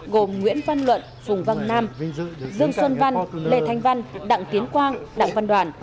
gồm nguyễn văn luận phùng văn nam dương xuân văn lê thanh văn đặng tiến quang đặng văn đoàn